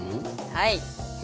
はい。